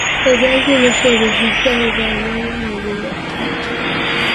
viazi lishe vikisha iva menya kwaajili ya kutumia kwa chakula